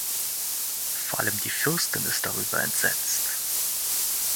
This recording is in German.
Vor allem die Fürstin ist darüber entsetzt.